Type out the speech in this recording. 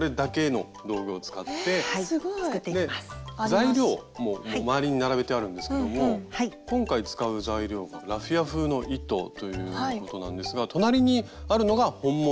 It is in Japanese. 材料も周りに並べてあるんですけども今回使う材料がラフィア風の糸ということなんですが隣にあるのが本物のラフィア。